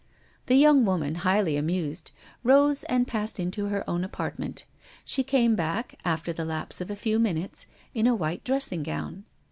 The young woman, highly amused, rose and passed into her own apartment. She came back, after the lapse of a few minutes, in a white dressing gown.